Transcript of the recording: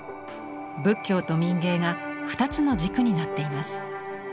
仏教と民藝が二つの軸になっています。